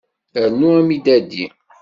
Rnu amidadi.